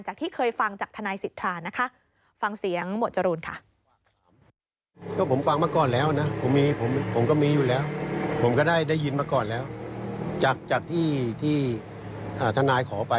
ที่เคยฟังจากทนายสิทธานะคะฟังเสียงหมวดจรูนค่ะ